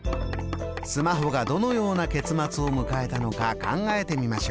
スマホがどのような結末を迎えたのか考えてみましょう。